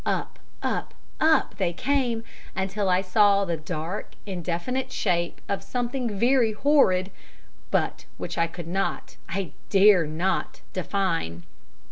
Up, up, up they came, until I saw the dark, indefinite shape of something very horrid, but which I could not I dare not define.